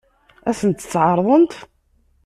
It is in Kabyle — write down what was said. Ad sen-tt-ɛeṛḍent?